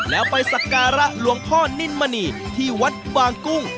แล้วไปสักการะหลวงพ่อนินมณีที่วัดบางกุ้ง